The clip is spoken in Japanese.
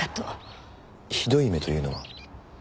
ひどい目というのは？